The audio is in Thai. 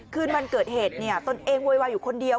คืนมันเกิดเหตุตนเองเววอยู่คนเดียว